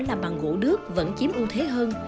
làm bằng gỗ đước vẫn chiếm ưu thế hơn